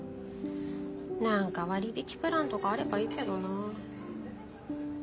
何か割引プランとかあればいいけどな。